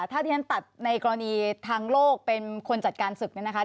ถ้าที่ฉันตัดในกรณีทางโลกเป็นคนจัดการศึกเนี่ยนะคะ